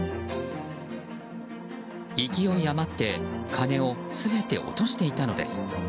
勢い余って金を全て落としていたのです。